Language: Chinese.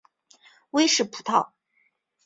威氏葡萄